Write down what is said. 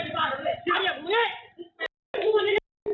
ปนน้อ